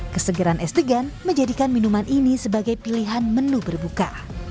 kesegeran es degan menjadikan minuman ini sebagai pilihan menu berbuka